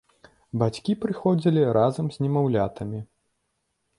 Бацькі прыходзілі разам з немаўлятамі.